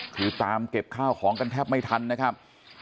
คือตามเก็บข้าวของกันแทบไม่ทันนะครับ